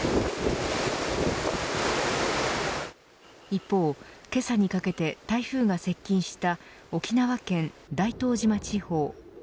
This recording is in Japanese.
一方、けさにかけて台風が接近した沖縄県大東島地方。